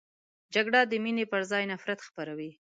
جګړه د مینې پر ځای نفرت خپروي